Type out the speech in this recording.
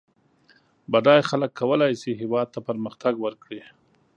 بډای خلک کولای سي هېواد ته پرمختګ ورکړي